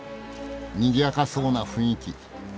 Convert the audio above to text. にぎやかそうな雰囲気。